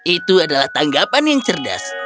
itu adalah tanggapan yang cerdas